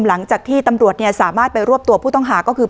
หลังจากที่ตำรวจสามารถไปรวบตัวผู้ต้องหาก็คือ